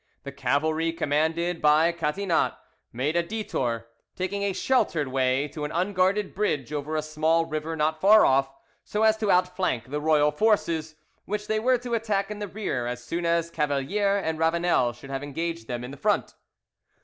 The cavalry, commanded by Catinat, made a detour, taking a sheltered way to an unguarded bridge over a small river not far off, so as to outflank the royal forces, which they were to attack in the rear as soon as Cavalier and Ravanel should have engaged them in front.